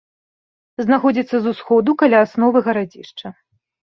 Знаходзіцца з усходу каля асновы гарадзішча.